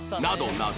など